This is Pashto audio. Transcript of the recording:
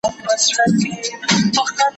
ما در وبخښل لس كاله نعمتونه